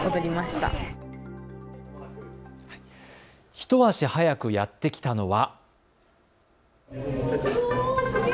一足早くやって来たのは。